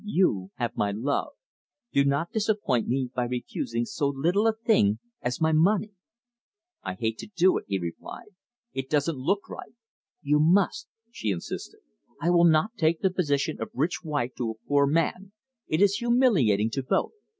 You have my love; do not disappoint me by refusing so little a thing as my money." "I hate to do it," he replied; "it doesn't look right." "You must," she insisted. "I will not take the position of rich wife to a poor man; it is humiliating to both.